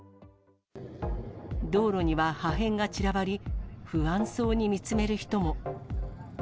道路には破片が散らばり、不安そうに見つめる人も。